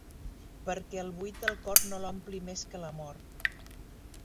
Perquè el buit del cor no l'ompli més que l'amor.